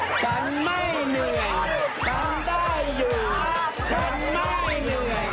ฉันไม่เหนื่อยฉันได้อยู่ฉันไม่เหนื่อย